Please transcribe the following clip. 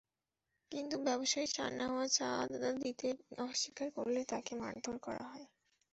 কিন্তু ব্যবসায়ী শাহনেওয়াজ চাঁদা দিতে অস্বীকার করলে তাঁকে মারধর করা হয়।